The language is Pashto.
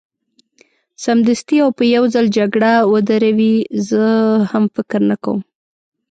سمدستي او په یو ځل جګړه ودروي، زه هم فکر نه کوم.